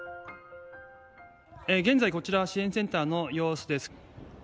現在、こちら、支援センターの様子です。